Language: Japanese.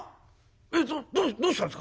えっどどうしたんですか！？」。